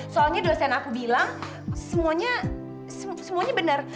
soalnya dosen aku bilang semuanya benar